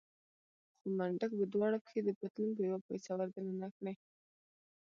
خو منډک به دواړه پښې د پتلون په يوه پایڅه ور دننه کړې.